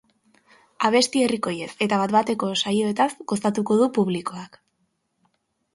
Abesti herrikoiez eta bat-bateko saioetaz gozatuko du publikoak.